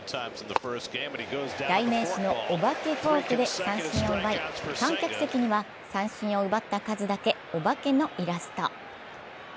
代名詞のお化けフォークで三振を奪い観客席には三振を奪った数だけお化けのイラスト。